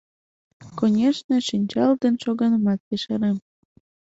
Конешне, шинчал ден шоганымат ешарем.